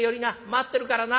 待ってるからな」。